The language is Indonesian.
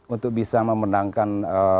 untuk bisa memenangkan